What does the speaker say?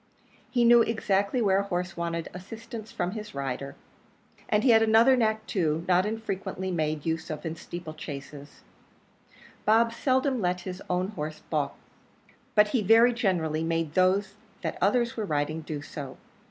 He knew exactly where a horse wanted assistance from his rider. And he had another knack too, not unfrequently made use of in steeple chases Bob seldom let his own horse baulk, but he very generally made those that others were riding do so.